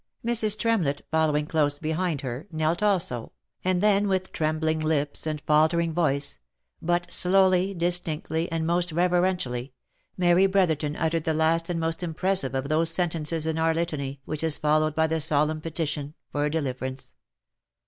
Mrs. Tremlett following close behind her, knelt also, and then with trembling lips, and faltering voice, but slowly, distinctly, and most reverentially, Mary Brotherton uttered the last and most impressive of those sentences in our litany which is followed by the solemn petition for deliverance.